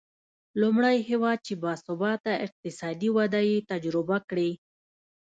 لومړی هېواد چې با ثباته اقتصادي وده یې تجربه کړې.